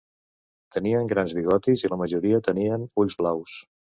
Tenien grans bigotis i la majoria tenien ulls blaus.